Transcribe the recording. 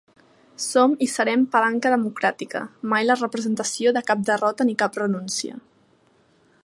Som i serem palanca democràtica, mai la representació de cap derrota ni cap renúncia.